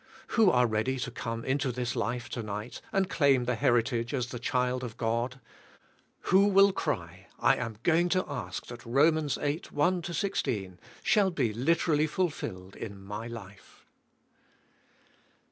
Who are ready to come into this life tonight, and claim the heritag"e as the child of God? Who will cry: I am g'oing to ask that Rom, 8:1 16 shall be literally fulfilled in my life.